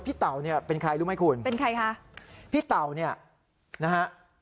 พี่เต่าเป็นใครรู้ไหมคุณพี่เต่าเนี่ยนะฮะเป็นใครค่ะ